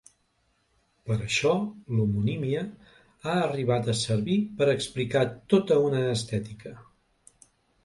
Per això l'homonímia ha arribat a servir per explicar tota una estètica.